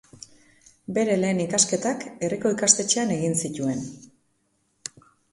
Bere lehen ikasketak herriko ikastetxean egin zituen.